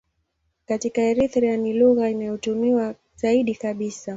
Katika Eritrea ni lugha inayotumiwa zaidi kabisa.